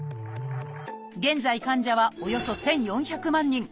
現在患者はおよそ１，４００万人。